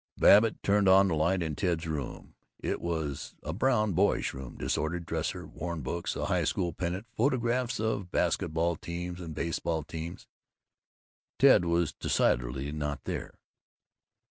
Babbitt turned on the light in Ted's room. It was a brown boyish room; disordered dresser, worn books, a high school pennant, photographs of basket ball teams and baseball teams. Ted was decidedly not there.